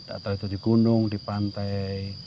atau itu di gunung di pantai